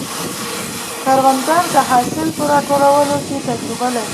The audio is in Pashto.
کروندګر د حاصل په راټولولو کې تجربه لري